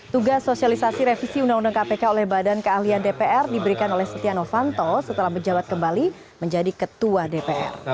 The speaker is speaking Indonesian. tugas sosialisasi revisi undang undang kpk oleh badan keahlian dpr diberikan oleh setia novanto setelah menjabat kembali menjadi ketua dpr